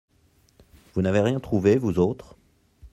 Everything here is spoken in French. Vous n’avez rien trouvé, vous autres ?